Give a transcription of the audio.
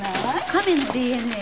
亀のＤＮＡ？